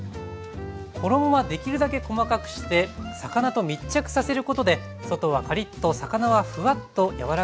衣はできるだけ細かくして魚と密着させることで外はカリッと魚はフワッと柔らかく仕上がります。